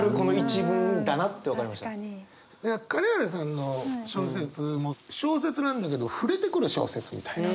金原さんの小説も小説なんだけど触れてくる小説みたいな。